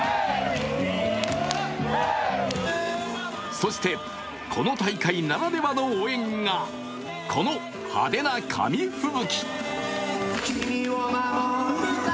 そして、この大会ならではの応援が、この派手な紙吹雪。